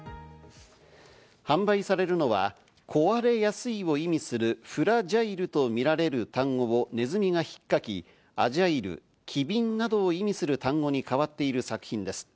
販売されるのは、「壊れやすい」を意味する「ＦＲＡＧＩＬＥ」とみられる単語をネズミがひっかき、「ＡＧＩＬＥ」、「機敏」などを意味する単語に変わっている作品です。